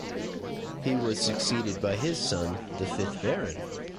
He was succeeded by his son, the fifth Baron.